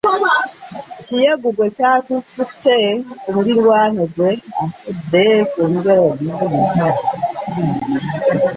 Kiyegu gwe kyakutte ku muliraano gwe afudde